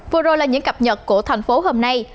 vừa rồi là những cập nhật của thành phố hôm nay